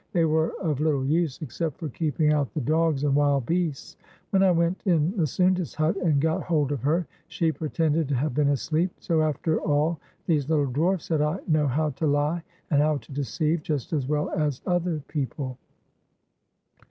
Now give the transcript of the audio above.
They were of little use except for keeping out the dogs and wild beasts. When I went in Misounda's hut and got hold of her, she pretended to have been asleep. "So, after all, these little dwarfs," said I, "know how to he and how to deceive just as well as other people."